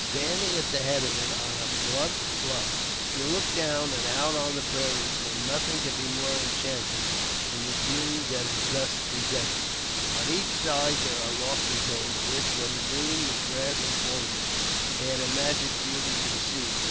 Standing at the head of it on a blunt bluff, you look down and out on the prairies, and nothing can be more enchanting than the view that is thus presented. On each side there are lofty hills, which, when green with grass and foliage, add a magic beauty to the scene.